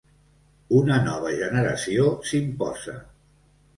Una nova generació s'imposa.